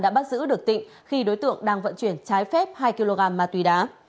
đã bắt giữ được tịnh khi đối tượng đang vận chuyển trái phép hai kg ma túy đá